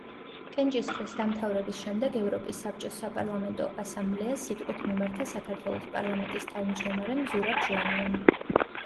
კენჭისყრის დამთავრების შემდეგ, ევროპის საბჭოს საპარლამენტო ასამბლეას სიტყვით მიმართა საქართველოს პარლამენტის თავმჯდომარემ ზურაბ ჟვანიამ.